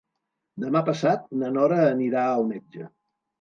Demà passat na Nora anirà al metge.